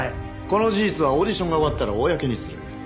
この事実はオーディションが終わったら公にする。